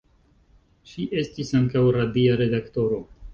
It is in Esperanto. Ŝi estis ankaŭ radia redaktoro.